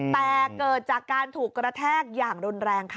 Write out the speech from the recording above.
แต่เกิดจากการถูกกระแทกอย่างรุนแรงค่ะ